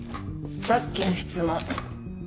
さっきの質問